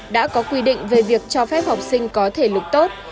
đã có quy định về việc cho phép học sinh có thể lực tốt